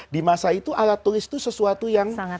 di masa itu alat tulis itu sesuatu yang